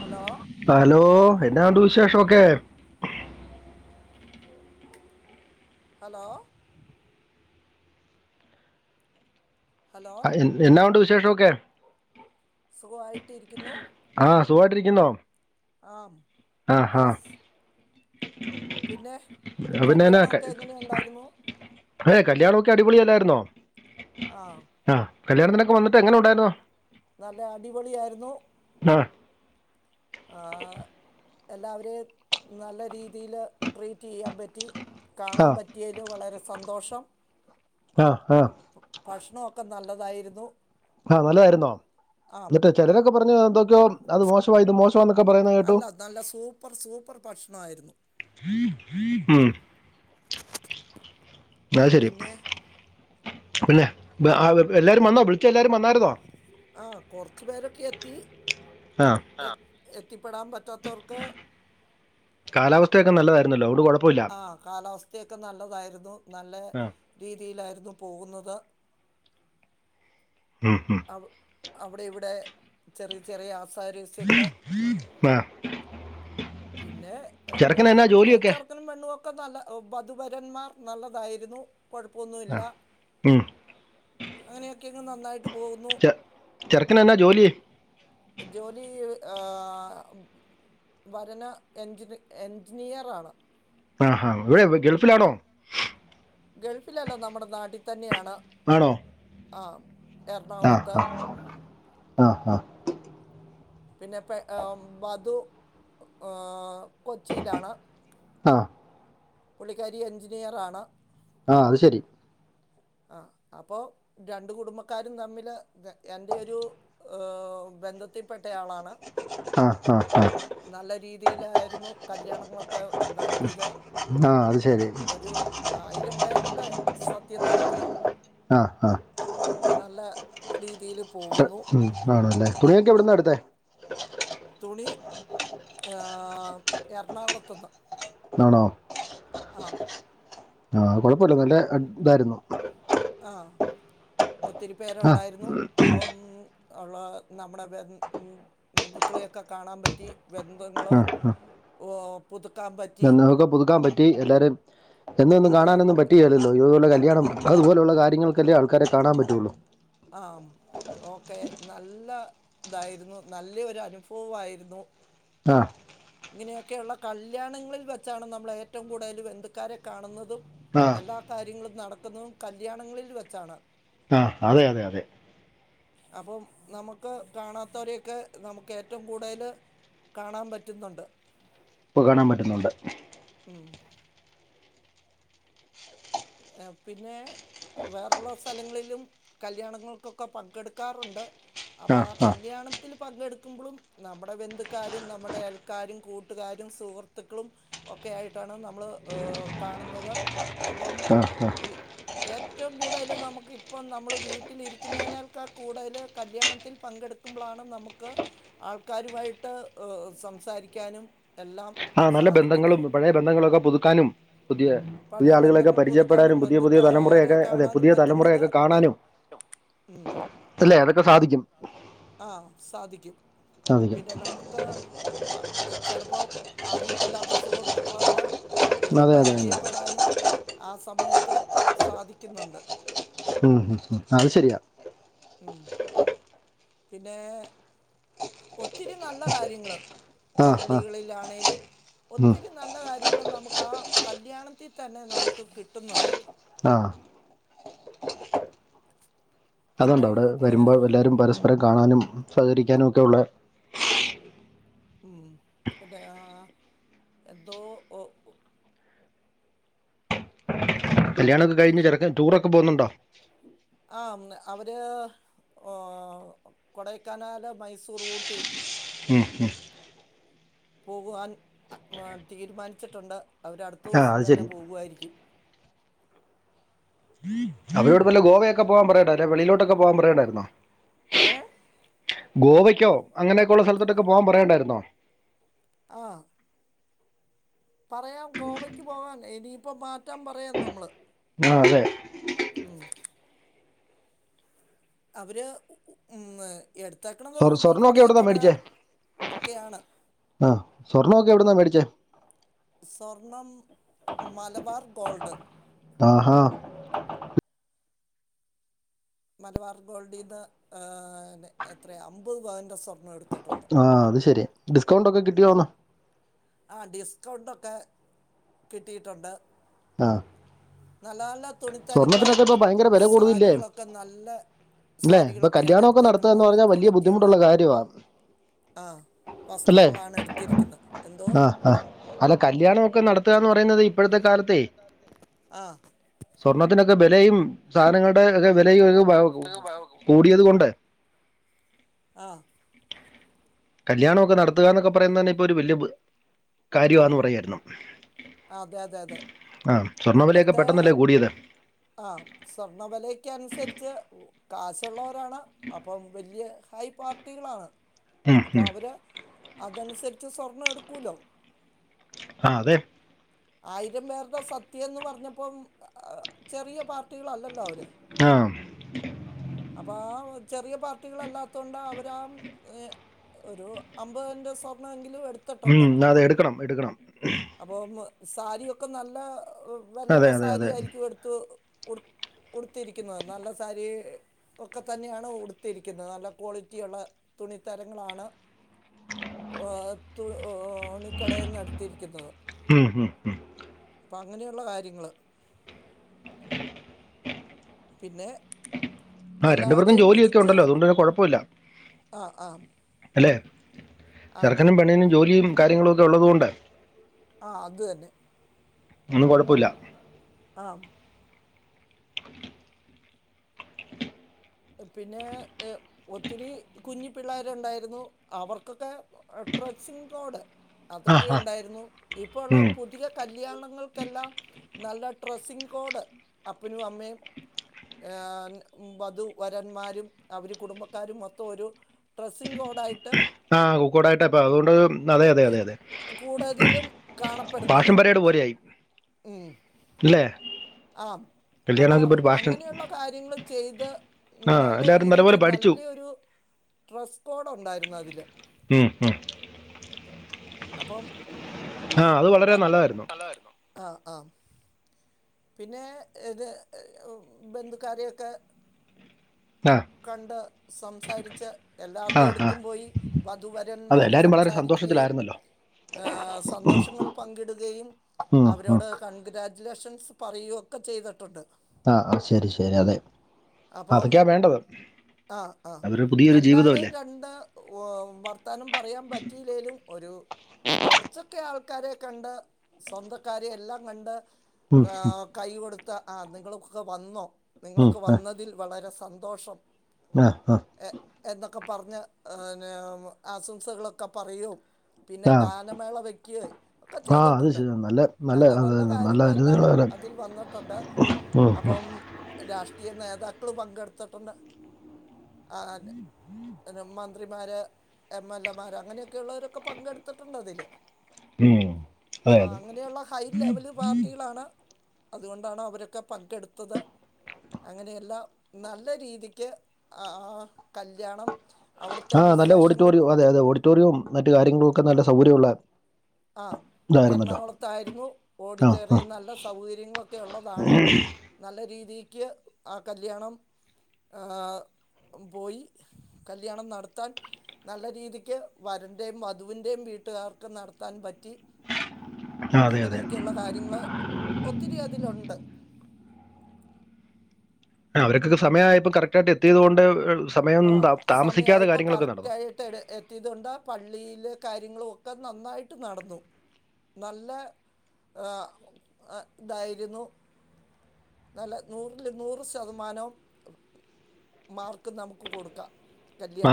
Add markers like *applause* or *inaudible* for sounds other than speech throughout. Hello hello, എന്നാ ഉണ്ട് വിശേഷൊക്കെ ഹലോ ഹലോ അ എന്നാ ഉണ്ട് വിശേഷോക്കെ സുഘായിട്ടിരിക്കുന്നു. ആഹ്. സുഖയിട്ടിരിക്കുന്നോ ആഹ് ആഹ് ഹ പിന്നെ എന്നാ ക- കല്യാണോക്കെ എങ്ങനെ ഉണ്ടായിരുന്നു. ഏ കല്യാണോക്കെ അടിപൊളി അല്ലായിരുന്നോ ആഹ് ആഹ് കല്യാണത്തിനൊക്കെ വന്നിട്ട് എങ്ങനെണ്ടായിരുന്നു നല്ല അടിപൊളി ആയിരുന്നു ആഹ് ആഹ് എല്ലാവരെയും നല്ല രീതിയില് ട്രീറ്റെയ്യാൻ പറ്റി. ആ കാണാൻ പറ്റിയെല് വളരെ സന്തോഷം. ആഹ് ആഹ്. ഭക്ഷണമൊക്കെ നല്ലതായിരുന്നു ആഹ് നല്ലതായിരുന്നോ. ആ എന്നിട്ട് ചിലരൊക്കെ പറഞ്ഞു എന്തൊക്കെയോ അത് മോശമായി, ഇത് മോശമാന്നൊക്കെ പറയുന്ന അല്ല. നല്ല സൂപ്പർ, സൂപ്പർ ഭക്ഷണയിരുന്നു ഉം അത് ശരി പിന്നെ പിന്നെ എല്ലാരും വന്നോ വിളിച്ച എല്ലാരും വന്നാ ആഹ് കൊറച്ചു പേരൊക്കെ എത്തി ആ എത്തിപ്പെടാൻ പറ്റാതോർക്ക് കാലാവസ്ഥയൊക്കെ നല്ലതായിരുന്നല്ലോ. അതോണ്ട് കൊഴ ആഹ് കാലാവസ്ഥയൊക്കെ നല്ലതായിരുന്നു. നല്ല ആ രീതിയിലായിരുന്നു പോകുന്നത്. ഉം ഉം അവിടെ ഇവിടെ ചെറിയ ചെറിയ ആസ് പരസ്യങ്ങള് ആ പിന്നെ ചെറുക്കന് എന്നാ ചർച ജോലിയൊക്കെ ചെക്കനും പെണ്ണും ഒക്കെ നല്ല, വധുവരന്മാർ നല്ലതായിരുന്നു. ആ കോഴപ്പമൊന്നുല്ല. ഉം. അങ്ങനെയൊക്കെ ഇങ് നന്നായി ചെ ചെറുക്കനന്നാ ജോലി ജോലി ആഹ് വരന് എഞ്ചിന്, എഞ്ചിനീയർ ആണ്. ആഹാ എവിടെ, ഗൾഫിലാണോ ഗൾഫിലല്ല. നമ്മുടെ നാട്ടി തന്നെയാണ് ആണോ ആഹ് എറണാകുളത്ത് ആഹ് ആഹ് പിന്നെ പേ വധു എഹ് കൊച്ചിയിലാണ് ആഹ് പുള്ളിക്കാരി എഞ്ചിനീയറാണ് ആഹ് അത് ശരി ആഹ് അപ്പോ രണ്ട് കുടുംബക്കാരും തമ്മില് എന്റെ ഒരു ബന്ധ ത്തിപ്പെട്ടയാളാണ് ആഹ് ആഹ് ആഹ് ന നല്ല രീതിയിലായിരുന്നു കല്യാണങ്ങളൊക്കെ നടത്തിയത്. ആഹ് അത് ശരി. ഒരു ആയിരം പേരുടെ സദ്യ നട ത്തി ആ ആ നല്ല രീതിൽ ഹ് ഉം ആണല്ലേ? തുണിയൊക്കെ എവിടന്ന എടുത്തെ? തുണി ഏ എറണാകുളത്തന്ന് ആണോ ആഹ് ആഹ് കുഴപ്പല്ല, നല്ല അ ഇതായിരുന്നു. ആഹ് ഒത്തിരി പേരു ആ ഉണ്ടായിരുന്നു. അപ്പം ഉള്ള നമ്മുടെ ബൻ ബന്ധുക്കളെയൊക്കെ കാണാൻ പറ്റി. ബന്ധങ്ങള് ഹോ പുതുക്കാൻ പറ്റ ബന്ധങ്ങളെ ഒക്കെ പുതുക്കാൻ പറ്റി എല്ലാരേം എന്നൊന്നും ആഹ് കാണാനൊന്നും പറ്റി കിയല്ലോ? ഇതുപോല കല്യാണം. അത് പോലുള്ള കാര്യങ്ങൾക്കല്ലേ ആൾക്കാരെ കാണാൻ പറ്റുള്ളു. ട്ടി ആഹ് ഉം ഓക്കെ നല്ല ഇതായിരുന്നു. നല്ല ഒരു അനുഭവയിരുന്നു. ആഹ് ഇങ്ങനെയൊക്കെയുള്ള കല്യാണങ്ങളിൽ വെച്ചാണ് നമ്മൾ ഏറ്റവും കൂടുതൽ ബന്ധുക്കാരെ കാണുന്നതും ആ എല്ലാ കാര്യങ്ങളും നടക്കുന്നതും കല്യാണങ്ങളിൽ വെച്ചാണ്. ആഹ് അതെ അതെ അതെ അപ്പം നമുക്ക് കാണാത്തവരെയൊക്കെ നമുക്ക് ഏറ്റവും കൂടുതല് കാണാൻ പറ്റുന്നുണ്ട് പ്പ കാണാൻ പറ്റുന്നുണ്ട് ഉം എ പിന്നെ വേർളസ് സ്ഥലങ്ങളിലും കല്ല്യാണങ്ങൾക്കൊക്കെ പങ്കെടുക്കാറുണ്ട്. അപ്പോൾ ആ കല്യാണം ത്തിൽ പങ്കെടുക്കുമ്പളും നമ്മുടെ ബന്ധുക്കാരും നമ്മുടെ അൽക്കാരും കൂട്ടുകാരും സുഹൃത്തുക്കളും തി ഒക്കെ ആയിട്ടാണ് നമ്മൾ ഹ് കാണുന്നത് അപ്പം ആ ആ ഈ ഏറ്റവും കൂടുതൽ നമുക് ഇപ്പം നമ്മൾ വീട്ടിലിരിക്കുന്നതിനാൽക്കാ കൂടുതൽ കല്യാണത്തിൽ പങ്കെടുക്കു ന്കുമ്പളാണ് നമുക്ക് ആൾക്കാരുവായിട്ട് സംസാരിക്കാനും എല്ലാം ആ നല്ല ബന്ധങ്ങളും സാധിക്കുന്നത് പഴയ ബന്ധങ്ങളൊക്കെ പുതുക്കാനും പുതിയ പുതിയ പഴയ ആളുകളെയൊക്കെ ബന്ധങ്ങൾ പുതുക്കാനും പരിചയപ്പെടാനും പുതിയ പുതിയ ബന്ധുക്കാരെ തലമുറയൊക്കെ അതെ കാണാനും പുതിയ പറ്റുന്നത് തലമുറയൊക്കെ കൽ കാണാനും ഉം അല്ല? അതൊക്കെ സാധിക്കും. ആഹ് സാധിക്കും. സാധിക്കും പിന്നെ നമുക്ക് അ ഹ് ചിലപ്പോ അറിയത്തില്ലാത്ത സുഹൃത്തുക്കളുണ്ട് അവരെയൊക്കെ അതെ അതെ അതെ പരിചയപ്പെടാനും, ആ സമയത്ത് സാധിക്കുന്നുണ്ട് ഉം ഉം അത് ശരിയാ ഉം പിന്നെ ഒത്തിരി നല്ല കാര്യങ്ങള് ആ ആ പള്ളികളിലാണെേലും ഉം. ഒത്തിരി നല്ല കാര്യങ്ങളും നമുക്ക് ആ കല്യാണത്തിൽ തന്നെ നമുക്ക് കിട്ടുന്നുണ്ട്. ആഹ് അതുണ്ട് പിന്നെ അവ്ടെ ഏഹ് വരുമ്പോൾ എല്ലാരും പരസ്പരം കാണാനും സഹകരിക്കാനും ഒക്കെ ഉള്ള ഉം എന്തയാ എന്തോ ഒ കല്യാണൊക്ക കഴിഞ്ഞ ചെറുക്കൻ ടൂറൊക്ക പോവുന്നുണ്ടോ ആ‌ ഉം അവര് കൊടൈക്കനാല് മൈസൂർ ഊട്ടി ഉം ഉം പോകുവാൻ അ തീരുമാനിച്ചിട്ടുണ്ട് അവര് അടുത്ത ആ ദിവസം അത് തന്നെ ശരി പോകുവായിരിക്കും അവരോട് വല്ല ഗോവയൊക്ക പോവാൻ പറയണ്ടെ അല്ലെ വെളിയിലൊട്ടൊക്കെ പോവാൻ പറയണ്ടായിരുന്നോ ഏ ഗോവക്കോ അങ്ങനെയൊകൊള്ള സ്ഥൽത്തോട്ടൊക്കെ പോവാം പറയണ്ടായിരുന്നോ ആ പറയാം ഗോവയ്ക്ക് പോവാൻ ഇനി ഇപ്പൊ മാറ്റാം പറയാം നമ്മള് ആ‌ അതെ ഉം അവര് ഉം എട്ത്തെക്കണത് സ്വർ- ഊട്ടി സ്വർണ്ണമൊക്കെ എവിടുന്നാ മേടിച്ചേ കൊടൈക്കനാൽ ഒക്കെയാണ് ആ സ്വർണൊക്കെ എവിടന്നാ മേടിച്ചേ സ്വർണം മലബാർ ഗോൾഡ് ആഹാ മലബാർ ഗോൾഡീന്ന് ന്നെ എത്രയാ അമ്പത് പവന്റെ സ്വർണം എടു ആ‌ അത് ശരി ഡിസ്കൗണ്ട് ഒക്ക കിട്ടിയോന്ന് ആ‌ ഡിസ്കൗണ്ടൊക്കെ കിട്ടിയിട്ടോണ്ട് ആ നല്ല നല്ല തുണിത്തരങ്ങള് സ്വർണത്തിനൊക്കെ ഇപ്പൊ ഭയങ്കര വില കൂടുതലില്ലേ സാരികളൊക്ക നല്ല അല്ലേ ഇപ്പൊ സാരികളൊക്കെയാണ് കല്യാണമൊക്കെ നടത്തുക എട്ത്തേക്ക്ണത് എന്ന് നല്ല പറഞ്ഞാൽ വലിയ ക്വാളിറ്റിയുള്ള ബുദ്ധിമുട്ടുള്ള കാര്യമാണ് ആ‌ വസ്ത്രങ്ങളാണ് എട്ത്തിരിക്കുന്ന ആഹ്‌ ആഹ്‌ അല്ല കല്യാണൊക്ക നടത്താന്ന് പറയിന്നത് ഇപ്പഴത്തെ കാലത്തേ ആ സ്വർണത്തിനൊക്ക ബെലയും സാധനങ്ങളുടെ ഒക്ക വെലയും *unintelligible* കൂടിയത് കൊണ്ട് ആ കല്യാണൊക്ക നടത്ത്കന്നൊക്ക പറയിന്നന്നെ ഇപ്പൊ ഒരു വെല്യേ ബു കാര്യവാന്ന് ഉം പറയുവായിരുന്നു ആ, അതെ അതെ അതെ ആ‌ സ്വർണ്ണ വിലയൊക്കെ ഇപ്പഴത്തെ പെട്ടന്നല്ലേ കൂടിയത് ആ സ്വർണ വെലേക്ക് അൻസര്ച്ച് കാശു ഉള്ളവരാണ് അപ്പം വെല്യേ ഹൈ പാർട്ടികളാണ് ഉം, അപ്പം ഉം. അവര് അതൻസര്ച്ച് സ്വർണം എടുക്കൂലോ ആ അതെ ആയിരം പേര്ടെ സദ്യേന്ന് പർഞ്ഞപ്പം ചെറിയ പാർട്ടികളല്ലല്ലോ അവര് ആം അപ്പ ആ ചെറിയ പാർട്ടികളല്ലാതൊണ്ടാ അവരാ ഒരു അമ്പത് പവന്റെ സ്വർണെമെങ്കിലും എട് ഉം അതെ എട്ക്കണം എട്ക്കണം അപ്പോം സാരിയൊക്ക നല്ല അതെ വെലേടെ അതെ അതെ സാരിയായിരിക്കും എട്ത്തു ഉട് ഉടുത്തിരിക്കിന്നത് നല്ല സാരി ഒക്ക തന്നെയാണ് ഉടുത്തിരിക്കിന്നത് നല്ല ക്വാളിറ്റിയിള്ള തുണിത്തരങ്ങളാണ് ഓ തു ണിക്കടെന്ന് എട്ത്തിരിക്കിന്നത് ഉം ഉം ഉം പ്പ അങ്ങനെയുള്ള കാര്യങ്ങള് പിന്നെ ആഹ്‌ രണ്ട് പേർക്കും എല്ലാവരെയും ജോലിയൊക്കെ ഉണ്ടല്ലോ അതുകൊണ്ട് പിന്നെ കൊഴപ്പുല്ല ആഹ് അല്ലേ ചെറ്ക്കനും പെണീനും ജോലിയും കാര്യങ്ങളൊക്കെ ഉള്ളതു കൊണ്ട് അഹ് അത് തന്നെ ഒന്നും കൊഴപ്പുല്ല ആഹ്ഹ് പിന്നേയ് ഹ്ഹ് ഒത്തിരി കുഞ്ഞു പിള്ളേരുണ്ടായിരുന്നു അവർക്കൊക്കെ ഡ്രസ്സിങ് കോർഡ് ആ അതൊക്കെ ആ ഉണ്ടായിരുന്നു ഇപ്പ ഉള്ള ഉം. പു ധിക കല്യാണങ്ങൾക്കെല്ലാം നല്ല ഡ്രസ്സിങ് കോഡ് അപ്പനും അമ്മയും ഏഹ് വധു വരന്മാരും അവര് കുടുംബക്കാരും മൊത്തം ഒരു ഡ്രസ്സിംഗ് കോഡ് ആയിട്ട് ആഹ് കൂക്കോടായിട്ട് അപ്പൊ അതുകൊണ്ട് അതെ അതെ ഏ, അതെ അതെ കൂടുതലും പാഷം കാണപ്പെടുന്നത് പരേട് അ- പോലെ ആയി ഉം ല്ലെ ആഹ് അപ്പോ അങ്ങനെയുള്ള കാര്യങ്ങൾ ചെയ്ത് ആ നല്ല എല്ലാവരും രീതിക്ക് നല്ലപോലെ പഠിച്ചു നല്ലൊരു ട്രസ് കോഡുണ്ടായിരുന്നു അതില് ഉം ഹും അപ്പം ആഹ് അത് വളരെ നല്ലതായിരുന്നു ല്ലായിരുന്നു ആഹ് ആഹ് പിന്നെ ഇത് ബന്ധുക്കാരെയൊക്കെ ആ കണ്ട് സംസാരിച്ച് ആ എല്ലാവരുടെ ആ അടുത്തും പോയി അതെ വധുവരന്മാർ എല്ലാവരും വളരെ സംസാരിക്കുകയും സന്തോഷത്തിലായിരുന്നല്ലോ ഏഹ് സന്തോഷങ്ങൾ പങ്കിടുകയും ഉം, ഉം. അവരോട് കൺഗ്രാജുലേഷൻസ് പറയുയൊക്കെ ചെയ്തിട്ടുണ്ട് ആഹ് ശരി ശരി അതെ അതൊക്കെയാ വേണ്ടത് ആഹ് ആഹ് അതൊരു പുതിയൊരു എല്ലാരേം ജീവിതമല്ലേ കണ്ട് ഓം വർത്താനം പറയാൻ പറ്റിയില്ലെലും ഒരു കുറച്ചൊക്കെ ആൾക്കാരെ കണ്ട് സ്വന്തക്കാരെ എല്ലാം കണ്ട് ഉം, ആഹ് കൈ കൊടുത്ത ആഹ് നിങ്ങളൊക്കെ വന്നോ ഉം, നിങ്ങളൊക്കെ വന്നതിൽ വളരെ സന്തോഷം ആഹ് ആഹ് എഹ് എന്നൊക്കെ പറഞ്ഞ് പിന്നെ ആശംസകളൊക്കെ പറയും പിന്നെ ആ. ഗാനമേള വയ്ക്ക്യ ഒക്കെ ആ അത് ചെയ്തിട്ടുണ്ട് ശരി നല്ല നല്ല അതെ, നല്ല അതെ, ഒരു- കാര്യങ്ങളെല്ലാം ഇത് വളരെ. അതിൽ വന്നി ട്ടുണ്ട് ഉം, ഉം. അപ്പം രാഷ്ട്രീയ നേതാക്കൾ പങ്കെടുത്തിട്ടുണ്ട് ആതെ മന്ത്രിമാര് എം എൽ എമാർ അങ്ങനെയൊക്കെയുള്ളവരൊക്കെ പങ്കെടുത്തിട്ടുണ്ട് അതില് ഉം അതെ അപ്പൊ അതെ അങ്ങനെയുള്ള ഹൈ ലെവല് പാർട്ടികളാണ് അതുകൊണ്ടാണ് അവരൊക്കെ പങ്കെടുത്തത് അങ്ങനെയെല്ലാം നല്ല രീതി ക്ക് ആഹ് കല്യാണം അവിടുത്തെ ആഹ് നല്ല വിശേഷങ്ങളും ഓഡിറ്റോറിയം അതെ അതെ ഓഡിറ്റോറിയൊം മറ്റ് കാര്യങ്ങളൊക്കെ നല്ല സൗകര്യള്ള ആഹ് എർണാകൊളത്തായിരുന്നു ആ ആ ഓഡിറ്റോറിയം നല്ല സൗകര്യങ്ങളൊക്കെ ഉള്ളതാണ് നല്ല രീതിക്ക് ആഹ് കല്യാണം ആഹ് പോയി കല്യാണം നടത്താൻ നല്ല രീതിക്ക് വരന്റേം വധുവിന്റെ വീട്ടുകാർക്ക് നട ത്താൻ പറ്റി ആ അതെ അതെ അങ്ങനെയൊക്കെയുള്ള കാര്യങ്ങള് ഒത്തിരി അതിലുണ്ട് ആഹ് അവരൊക്കൊക്ക സമയമായപ്പം കറക്റ്റായിട്ട് എത്തിയത് കൊണ്ട് സമയം ആഹ് താ- താമസിക്കാതെ സമയായപ്പൊ കാര്യങ്ങളൊക്കെ നടന്നു കറക്റ്റായിട്ട്ടെ എ പറ്റിയതുകൊണ്ട പള്ളിയിലെ കാര്യങ്ങളു ഒക്കെ നന്നായിട്ട് നടന്നു നല്ല ഏഹ് ഏഹ് ഇതായിരുന്നു നല്ല നൂറില് നൂറ് ശതമാനവും മാർക്ക് നമുക്ക് കൊടുക്ക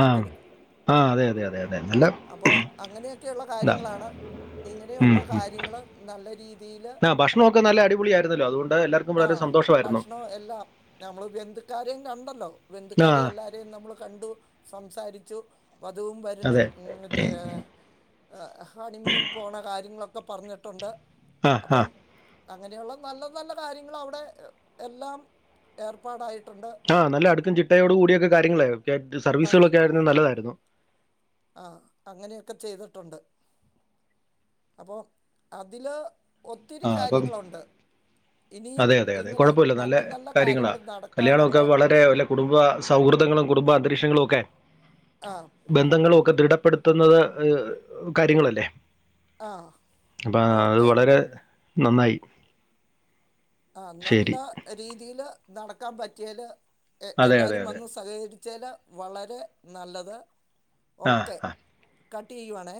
ആഹ് ആഹ് അതെ അതെ അതെ അതെ നല്ല അപ്പോ അങ്ങനെയൊക്കെയുള്ള ഇതാ കാര്യങ്ങളാണ് ഉം, ഇങ്ങനെയുള്ള ഉം. കാര്യങ്ങള് നല്ല രീതിയില് ആ ഭക്ഷണമൊക്കെ നല്ല അടിപൊളിയായിരുന്നല്ലോ അതുകൊണ്ട് എല്ലാവർക്കും വളരെ ആഹ് സന്തോഷമായിരുന്നു ഭക്ഷ്ണോം എല്ലാം നമ്മള് ബന്ധുക്കാരെം കണ്ടല്ലൊ ആ ബന്ധുക്കാരെ എല്ലാരെ നമ്മള് കണ്ടു സംസാരിച്ചു വധുവും വരനും അതെ മറ്റേ ഹണിമൂൺ പോണ കാര്യങ്ങളൊക്കെ പറഞ്ഞ്ട്ടുണ്ട് ആ ആ അപൊം അങ്ങനെയുള്ള നല്ല നല്ല കാര്യങ്ങള് അവ്ടെ എല്ലാം ഏർപ്പാടായിട്ടുണ്ട് ആഹ് നല്ല അടുക്കും ചിട്ടയോടു കൂടിയൊക്ക കാര്യങ്ങള് ഒക്കെ സർവീസുകളൊക്കെ ആയിരുന്നു നല്ലതായിരുന്നു ആഹ് അങ്ങനെയൊക്കെ ചെയ്തിട്ടുണ്ട് അപ്പോ അതില് ഒത്തിരി ആ അപ്പം കാര്യങ്ങളുണ്ട് ഇനിയും അതെ അതെ അതെ ഇങ്ങനെ കൊഴപ്പൊല്ല നല്ല കാര്യങ്ങളാ കാര്യങ്ങൾ കല്യാണൊ നടക്കാനുള്ള ഒക്കെ വളരെ കുടുംബ സൗഹൃദങ്ങളും കുടുംബ അന്തരീക്ഷങ്ങളും ഒക്കെ ആഹ് ബന്ധങ്ങളു ഒക്ക ദൃഢപ്പെടുത്തുന്നത് കാര്യങ്ങളല്ലെ ആ അപ്പാ അത് ഓക്കെ വളരെ നന്നായി ആഹ് നല്ല ശരി. രീതിയില് നടക്കാ പറ്റ്യാല് എ അതെ, അതെ, എല്ലാരും അതെ. വന്ന് സഹകരി ച്ചല് വളരെ നല്ലത് ആ, ഓക്കെ ആ. കട്ടിയ്യുവാണെ